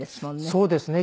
そうですね。